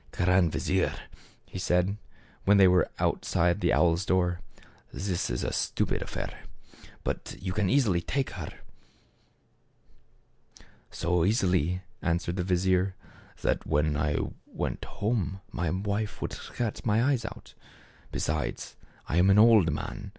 " Grand vizier," he said, when they were out side the owl's door, "this is a stupid affair; but you can easily take her." " So easily," answered the vizier, " that when I went home, my wife would scratch my eyes out. Besides, I am an old man.